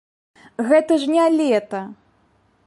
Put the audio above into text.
Гэта ж не лета!